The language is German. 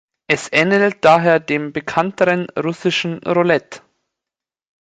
Es ähnelt daher dem bekannteren russischen Roulette.